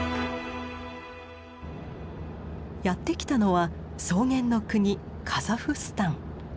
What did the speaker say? やって来たのは草原の国カザフスタン。